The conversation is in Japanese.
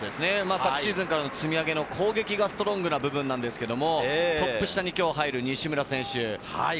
昨シーズンからの積み上げの攻撃がストロングな部分ですが、トップ下に入る西村選手。